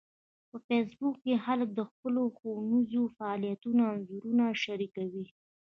په فېسبوک کې خلک د خپلو ښوونیزو فعالیتونو انځورونه شریکوي